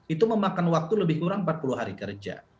itu memakan waktu lebih kurang empat puluh hari kerja